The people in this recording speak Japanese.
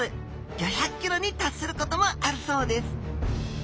５００ｋｇに達することもあるそうです。